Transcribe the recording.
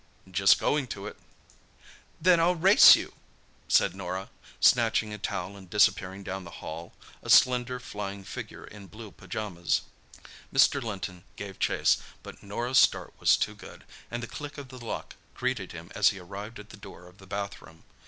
"Just going to it." "Then I'll race you!" said Norah, snatching a towel and disappearing down the hall, a slender, flying figure in blue pyjamas. Mr. Linton gave chase, but Norah's start was too good, and the click of the lock greeted him as he arrived at the door of the bathroom.